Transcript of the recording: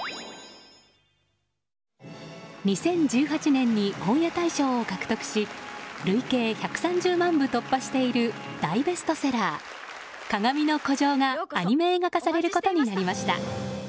２０１８年に本屋大賞を獲得し累計１３０万部突破している大ベストセラー「かがみの孤城」がアニメ映画化されることになりました。